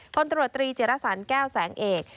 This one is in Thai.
คนตรวจตรีเจรสรรแก้วแสงเอก